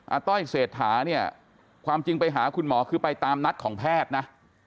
ต้อยเศรษฐาเนี่ยความจริงไปหาคุณหมอคือไปตามนัดของแพทย์นะ